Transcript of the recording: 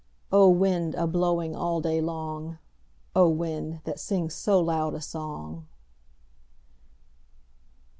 O wind, a blowing all day long, O wind, that sings so loud a song!